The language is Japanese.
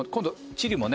チリもね